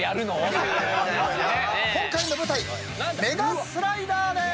今回の舞台メガスライダーです！